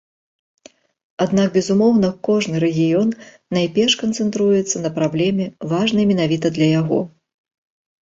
Аднак, безумоўна, кожны рэгіён найперш канцэнтруецца на праблеме, важнай менавіта для яго.